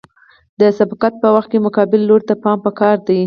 د سبقت په وخت کې مقابل لوري ته پام پکار دی